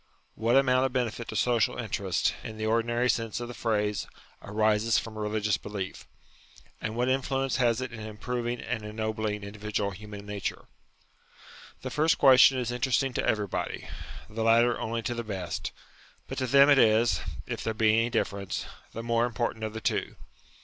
What amount of benefit to social interests, in the ordinary sense of the phrase, arises from religious belief? And what influence has it in improving and ennobling indi vidual human nature ? The first question is interesting to everybody ; the latter only to the best ; but to them it is, if there be any difference, the more important of the two.